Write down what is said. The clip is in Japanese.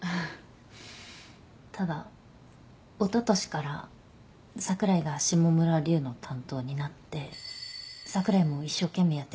ただおととしから櫻井がシモムラリュウの担当になって櫻井も一生懸命やってました。